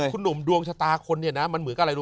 คุณหนุ่มดวงชะตาคนเนี่ยนะมันเหมือนกับอะไรรู้